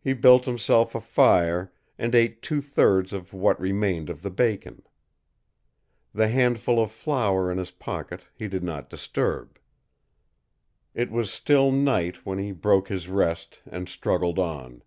He built himself a fire, and ate two thirds of what remained of the bacon. The handful of flour in his pocket he did not disturb. It was still night when he broke his rest and struggled on.